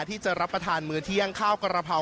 ที่จะรับประทานมื้อเที่ยงข้าวกระเพรา